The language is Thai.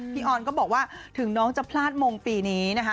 ออนก็บอกว่าถึงน้องจะพลาดมงปีนี้นะคะ